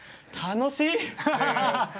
楽しいね！